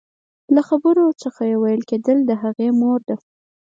له خبرو څخه يې ويل کېدل چې هغې مور ده.